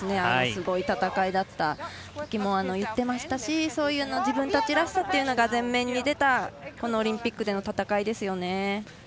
あの、すごい戦いだったときも言ってましたし、そういう自分らしさっていうのが前面に出たこのオリンピックでの戦いですよね。